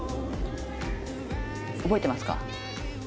覚えてますか？